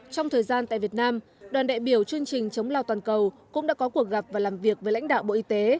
trong thời gian tại việt nam đoàn đại biểu chương trình chống lao toàn cầu cũng đã có cuộc gặp và làm việc với lãnh đạo bộ y tế